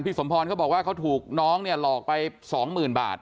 พี่สมพรก็บอกว่าเขาถูกน้องหลอกไป๒หมื่นบาท